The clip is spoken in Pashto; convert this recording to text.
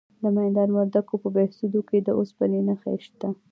د میدان وردګو په بهسودو کې د اوسپنې نښې شته.